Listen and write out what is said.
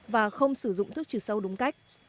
và không sử dụng thuốc trừ sâu đúng cách